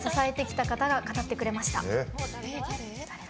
陰で支えてきてくれた方が語ってくれました。